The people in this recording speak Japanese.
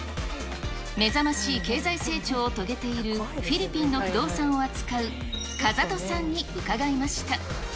目覚ましい経済成長を遂げているフィリピンの不動産を扱う風戸さ